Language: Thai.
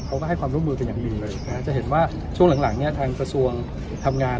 เขาก็ให้ความร่วมมือกันอย่างดีเลยจะเห็นว่าช่วงหลังทางประสวงทำงาน